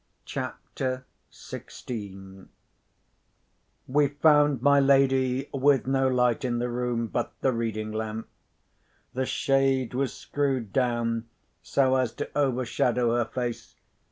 CHAPTER XVI We found my lady with no light in the room but the reading lamp. The shade was screwed down so as to overshadow her face.